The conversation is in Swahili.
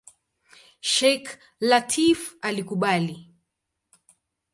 Sheikh Lateef alikubali.